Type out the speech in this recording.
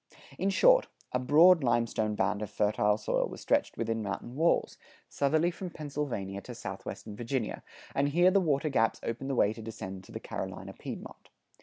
In short, a broad limestone band of fertile soil was stretched within mountain walls, southerly from Pennsylvania to southwestern Virginia; and here the watergaps opened the way to descend to the Carolina Piedmont.